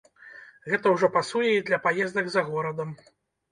Гэта ўжо пасуе і для паездак за горадам.